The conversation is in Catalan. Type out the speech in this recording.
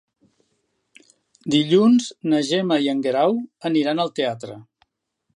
Dilluns na Gemma i en Guerau aniran al teatre.